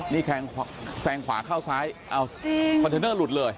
นี่แซงขวาเข้าซ้ายเอาคอนเทนเนอร์หลุดเลย